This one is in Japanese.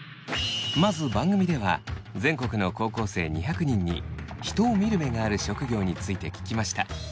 まず番組では全国の高校生２００人に人を見る目がある職業について聞きました。